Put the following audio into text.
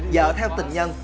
vợ theo tình nhân